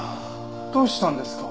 どうしたんですか？